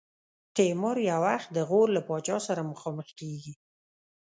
تیمور یو وخت د غور له پاچا سره مخامخ کېږي.